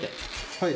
はい。